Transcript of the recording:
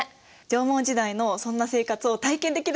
縄文時代のそんな生活を体験できる所があるよ。